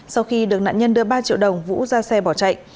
sau khi được nạn nhân đưa ba triệu đồng vũ ra xe bỏ chạy